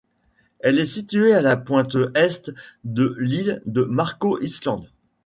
Elle est située à la pointe est de l'île de Marco Island.